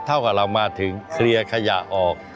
เท่ากับเรามาถึงเคลียร์ขยะออก